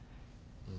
うん。